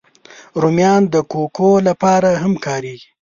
رومیان د کوکو لپاره هم کارېږي